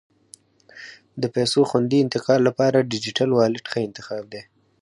د پیسو خوندي انتقال لپاره ډیجیټل والېټ ښه انتخاب دی.